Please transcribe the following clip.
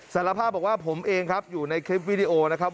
สารภาพบอกว่าผมเองครับอยู่ในคลิปวิดีโอนะครับ